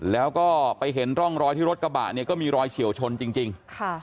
แล้วก็ไปเห็นร่องรอยที่รถกระบะเนี่ยก็มีรอยเฉียวชนจริง